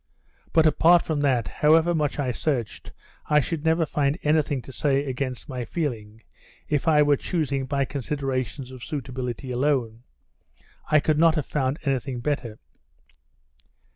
"But apart from that, however much I searched, I should never find anything to say against my feeling. If I were choosing by considerations of suitability alone, I could not have found anything better."